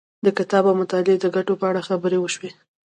د کتاب او مطالعې د ګټو په اړه خبرې وشوې.